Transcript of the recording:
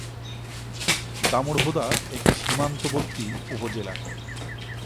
দামুড়হুদা একটি সীমান্তবর্তী উপজেলা।